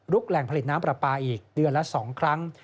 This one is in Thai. แหล่งผลิตน้ำปลาปลาอีกเดือนละ๒ครั้ง